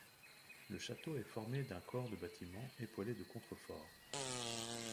Le château est formé d'un corps de bâtiment épaulé de contreforts.